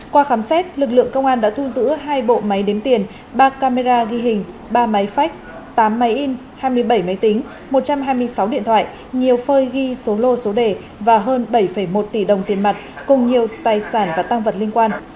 qua khám xét lực lượng công an đã thu giữ hai bộ máy đếm tiền ba camera ghi hình ba máy fax tám máy in hai mươi bảy máy tính một trăm hai mươi sáu điện thoại nhiều phơi ghi số lô số đề và hơn bảy một tỷ đồng tiền mặt cùng nhiều tài sản và tăng vật liên quan